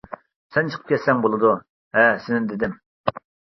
سەن چىقىپ كەتسەڭ بولىدۇ، ھە سېنى دېدىم.